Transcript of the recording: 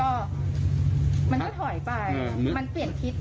มันก็ถอยไปมันเปลี่ยนทิศไปนิดนึง